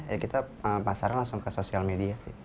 ya kita pasarnya langsung ke sosial media